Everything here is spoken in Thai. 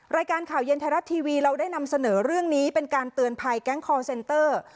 รายการข่าวเย็นไทยรัฐทีวีเราได้นำเสนอเรื่องนี้เป็นการเตือนภัยแก๊งคอร์เซนเตอร์